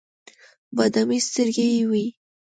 بادامي سترګې یې وې.